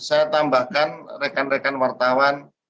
saya tambahkan rekan rekan wartawan